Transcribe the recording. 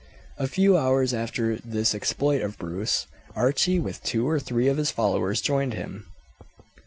A few hours after this exploit of Bruce, Archie with two or three of his followers joined him.